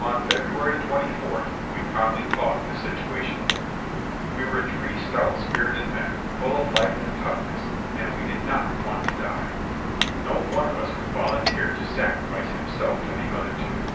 On February twenty fourth we calmly talked the situation over. We were three stout spirited men, full of life and toughness, and we did not want to die. No one of us would volunteer to sacrifice himself for the other two.